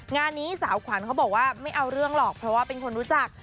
งานนี้สาวขวัญเขาบอกว่าไม่เอาเรื่องหรอกเพราะว่าเป็นคนรู้จัก